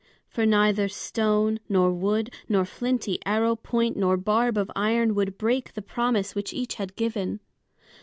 For neither stone nor wood nor flinty arrow point nor barb of iron would break the promise which each had given.